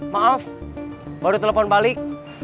maaf baru telepon balik